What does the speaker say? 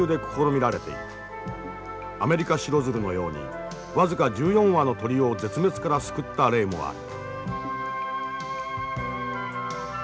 アメリカシロヅルのように僅か１４羽の鳥を絶滅から救った例もある。